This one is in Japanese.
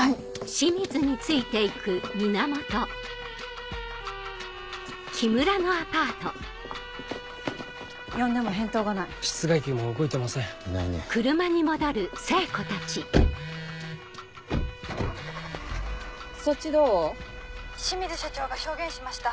清水社長が証言しました。